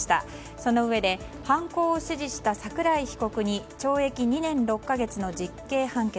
そのうえで犯行を指示した桜井被告に懲役２年６か月の実刑判決。